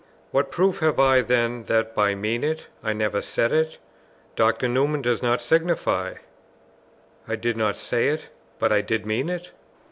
What proof have I, then, that by 'mean it? I never said it!' Dr. Newman does not signify, I did not say it, but I did mean it?"